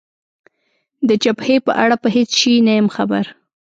د جبهې په اړه په هېڅ شي نه یم خبر.